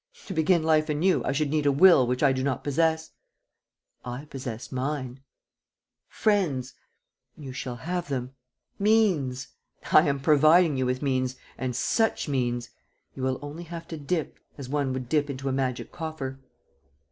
To begin life anew, I should need a will which I do not possess. ..." "I possess mine." "Friends. ..." "You shall have them." "Means. ..." "I am providing you with means ... and such means! You will only have to dip, as one would dip into a magic coffer."